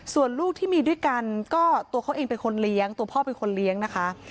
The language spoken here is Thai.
ส่วนลูกที่มีด้วยกันก็ตัวเขาเองเป็นคนเลี้ยงตัวพ่อเป็นคนเลี้ยงนะคะ